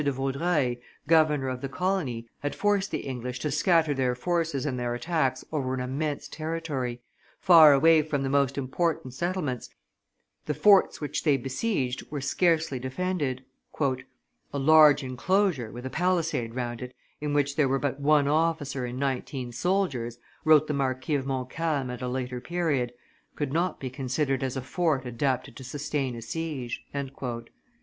de Vaudreuil, governor of the colony, had forced the English to scatter their forces and their attacks over an immense territory, far away from the most important settlements; the forts which they besieged were scarcely defended. "A large enclosure, with a palisade round it, in which there were but one officer and nineteen soldiers," wrote the Marquis of Montcalm at a later period, "could not be considered as a fort adapted to sustain a siege."